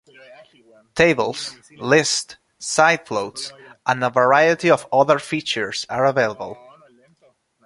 Tables, lists, side floats, and a variety of other features are available.